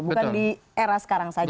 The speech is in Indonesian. bukan di era sekarang saja